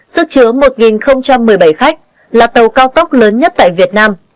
sức chứa một một mươi bảy khách là tàu cao tốc lớn nhất tại việt nam